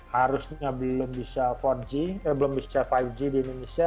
harusnya belum bisa lima g di indonesia